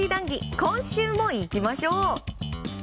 今週もいきましょう！